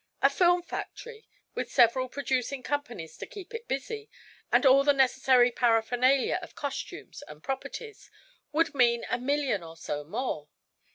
A film factory, with several producing companies to keep it busy, and all the necessary paraphernalia of costumes and properties, would mean a million or so more.